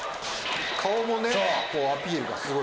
顔もねアピールがすごい。